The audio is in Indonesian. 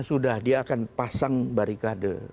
sudah dia akan pasang barikade